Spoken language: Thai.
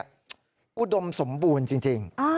อุดมสมบูรณ์จริง